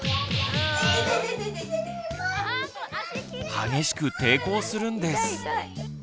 激しく抵抗するんです。